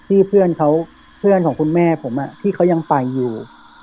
เพื่อนเขาเพื่อนของคุณแม่ผมที่เขายังไปอยู่